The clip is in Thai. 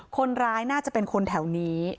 คนร้ายน่าจะเป็นคนแถวนี้